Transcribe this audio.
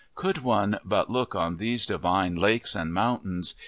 could one but look on these divine lakes and mountains